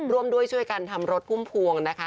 ร่วมด้วยช่วยกันทำรถพุ่มพวงนะคะ